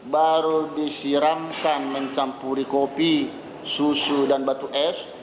baru disiramkan mencampuri kopi susu dan batu es